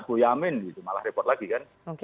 bu boyamin malah repot lagi kan